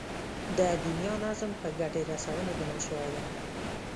د دنيا نظام په ګټې رسونې بنا شوی دی.